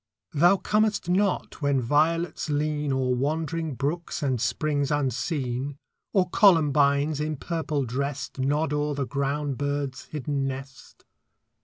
Thou comest not when violets lean O'er wandering brooks and springs unseen, Or columbines, in purple dressed, Nod o'er the ground bird's hidden nest.